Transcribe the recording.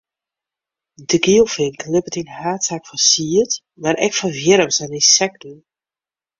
De gielfink libbet yn haadsaak fan sied, mar ek fan wjirms en ynsekten.